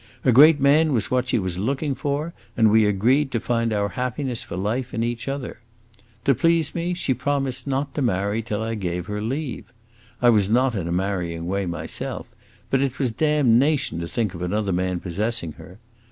A great man was what she was looking for, and we agreed to find our happiness for life in each other. To please me she promised not to marry till I gave her leave. I was not in a marrying way myself, but it was damnation to think of another man possessing her.